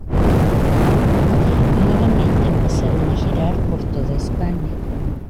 Nuevamente empezaron a girar por toda España.